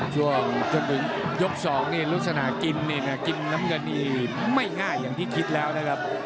ช่วงจนถึงยก๒นี่ลักษณะกินนี่นะกินน้ำเงินนี่ไม่ง่ายอย่างที่คิดแล้วนะครับ